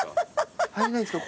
入れないんですか